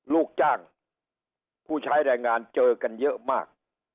ลูกจ้างผู้ใช้แรงงานเจอกันเยอะมาก